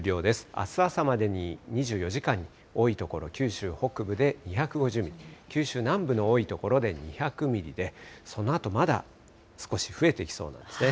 あす朝までに、２４時間に多い所、九州北部で２５０ミリ、九州南部の多い所で２００ミリで、そのあとまだ少し増えていきそうなんですね。